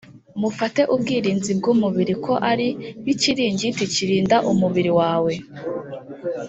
Mufate ubwirinzi bw umubiri ko ari nk ikiringiti kirinda umubiri wawe